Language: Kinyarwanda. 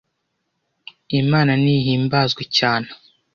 Imana ni himbanzwe cyana